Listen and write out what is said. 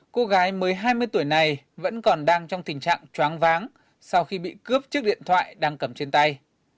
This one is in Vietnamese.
cô gái mới hai mươi tuổi này vẫn còn đang trong tình trạng choáng váng sau khi bị cướp chiếc điện thoại đang cầm trên tay